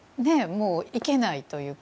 もう行けないというか。